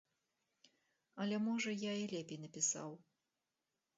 Але, можа, я і лепей напісаў.